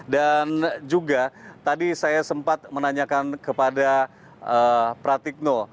dan juga tadi saya sempat menanyakan kepada pratikno